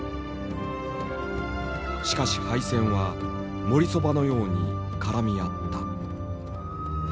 しかし配線は「もりそば」のように絡み合った。